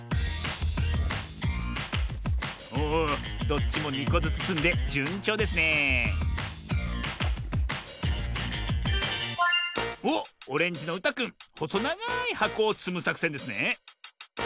おおどっちも２こずつつんでじゅんちょうですねえおっオレンジのうたくんほそながいはこをつむさくせんですね。